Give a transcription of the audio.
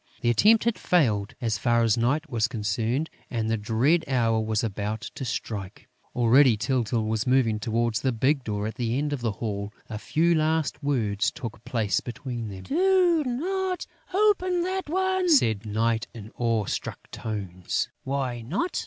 The attempt had failed, as far as Night was concerned, and the dread hour was about to strike. Already, Tyltyl was moving towards the big door at the end of the hall. A few last words took place between them: "Do not open that one!" said Night, in awe struck tones. "Why not?"